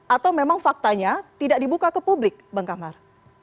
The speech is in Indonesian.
atau memang faktanya tidak dibuka ke publik bang kamar